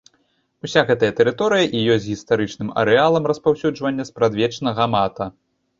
Уся гэтая тэрыторыя і ёсць гістарычным арэалам распаўсюджвання спрадвечнага мата.